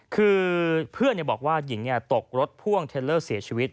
คือเพื่อนบอกว่าหญิงตกรถพ่วงเทลเลอร์เสียชีวิต